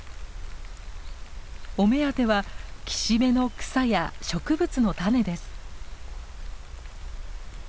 お目当ては岸辺の草や植物の種です。